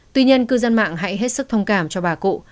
tuy nhiên cư dân mạng hãy hết sức thông cảm cho bà cụ